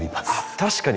確かに。